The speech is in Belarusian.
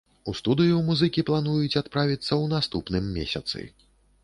У студыю музыкі плануюць адправіцца ў наступным месяцы.